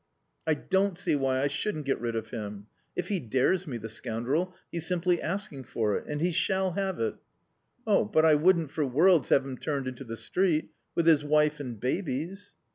"I don't see why I shouldn't get rid of him. If he dares me, the scoundrel, he's simply asking for it. And he shall have it." "Oh, but I wouldn't for worlds have him turned into the street. With his wife and babies."